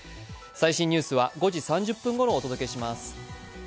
最新ニュースは５時３０分ごろお届けします。